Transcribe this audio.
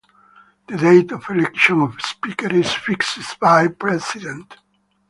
The date of election of speaker is fixed by the President.